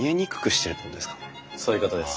そういうことです。